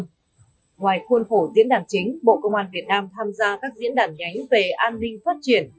ngoài khuôn khổ diễn đàn chính bộ công an việt nam tham gia các diễn đàn nhánh về an ninh phát triển